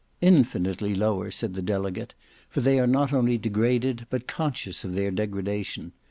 "Infinitely lower," said the delegate, "for they are not only degraded, but conscious of their degradation.